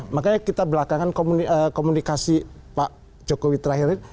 makanya kita belakangan komunikasi pak jokowi terakhir ini